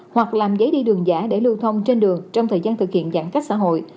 hoặc làm giấy đi đường giả để lưu thông trên đường trong thời gian thực hiện giãn cách xã hội